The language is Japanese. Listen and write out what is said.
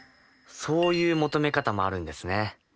そういう求め方もあるんですね。